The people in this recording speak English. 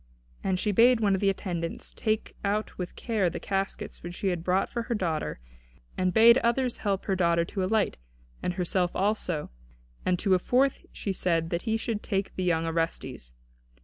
And she bade one of the attendants take out with care the caskets which she had brought for her daughter and bade others help her daughter to alight, and herself also, and to a fourth she said that he should take the young Orestes.